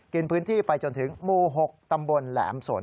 กินพื้นที่ไปจนถึงหมู่๖ตำบลแหลมสน